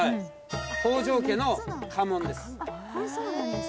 北条家の家紋です。